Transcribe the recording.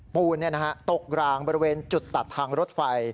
ปูนตกรางบริเวณจุดตัดทางรถไฟ